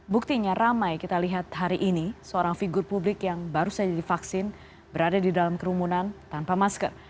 buktinya ramai kita lihat hari ini seorang figur publik yang baru saja divaksin berada di dalam kerumunan tanpa masker